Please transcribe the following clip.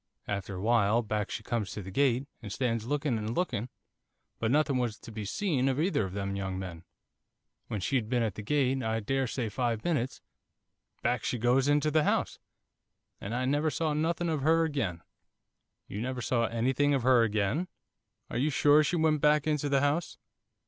After a while, back she comes to the gate, and stands looking and looking, but nothing was to be seen of either of them young men. When she'd been at the gate, I daresay five minutes, back she goes into the house, and I never saw nothing of her again.' 'You never saw anything of her again? Are you sure she went back into the house?